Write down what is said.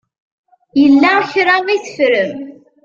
Yella kra i teffrem.